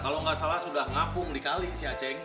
kalau gak salah sudah ngapung dikali si aceh